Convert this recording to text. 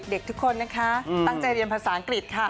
เด็กทุกคนนะคะตั้งใจเรียนภาษาอังกฤษค่ะ